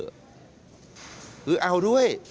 คือเอาด้วย